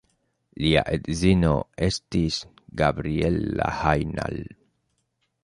Lia edzino estis Gabriella Hajnal.